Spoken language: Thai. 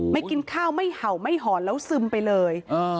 กินข้าวไม่เห่าไม่หอนแล้วซึมไปเลย